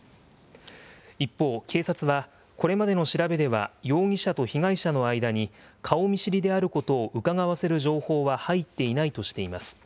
一方、警察はこれまでの調べでは、容疑者と被害者の間に顔見知りであることをうかがわせる情報は入っていないとしています。